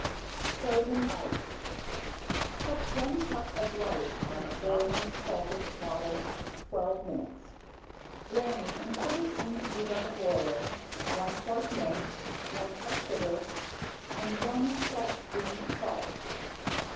~FROZEN ICE~ Cook one cup of rice in boiling salted water twelve minutes. Drain and put it in the double boiler, one quart milk, one cup sugar and one saltspoon salt.